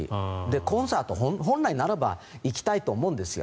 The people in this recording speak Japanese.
コンサートも本来ならば行きたいと思うんですよ。